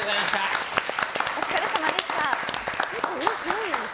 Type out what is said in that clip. お疲れさまでした。